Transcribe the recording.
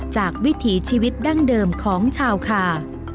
วิถีชีวิตดั้งเดิมของชาวคา